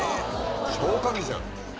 消火器じゃん。